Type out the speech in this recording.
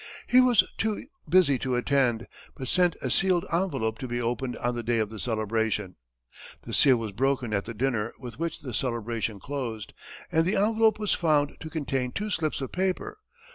He was too busy to attend, but sent a sealed envelope to be opened on the day of the celebration. The seal was broken at the dinner with which the celebration closed, and the envelope was found to contain two slips of paper.